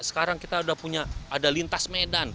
sekarang kita sudah punya ada lintas medan